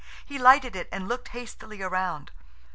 He lighted it and looked hastily round.